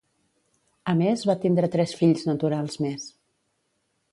A més, va tindre tres fills naturals més.